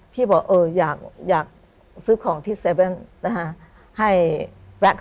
พี่บอกเอออยาก